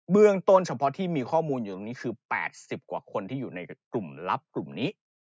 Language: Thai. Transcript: เรื่องต้นเฉพาะที่มีข้อมูลอยู่ตรงนี้คือ๘๐กว่าคนที่อยู่ในกลุ่มลับกลุ่มนี้